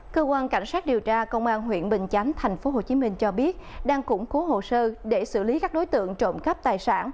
cơ quan cảnh sát điều tra công an huyện bình chánh tp hcm cho biết đang củng cố hồ sơ để xử lý các đối tượng trộm cắp tài sản